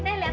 pak oh ya